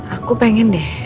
aku pengen deh